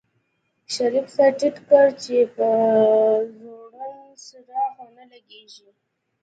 شريف سر ټيټ کړ چې په ځوړند څراغ ونه لګېږي.